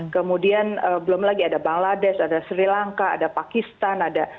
kemudian belum lagi ada bangladesh ada sri lanka ada pakistan